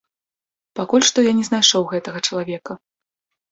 Пакуль што я не знайшоў гэтага чалавека.